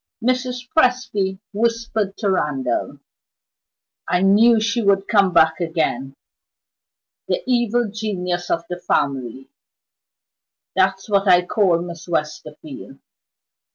Mrs. Presty whispered to Randal: "I knew she would come back again! The Evil Genius of the family that's what I call Miss Westerfield.